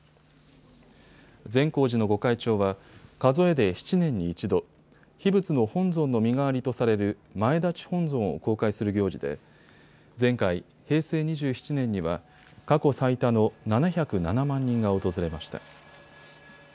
善光寺の御開帳は数えで７年に１度、秘仏の本尊の身代わりとされる前立本尊を公開する行事で前回、平成２７年には過去最多の７０７万人が訪れました。